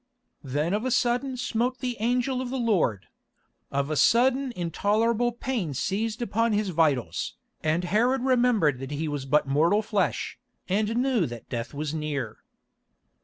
Then of a sudden smote the Angel of the Lord. Of a sudden intolerable pain seized upon his vitals, and Herod remembered that he was but mortal flesh, and knew that death was near.